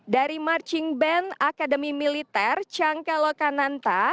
dari marching band akademi militer cangka lokananta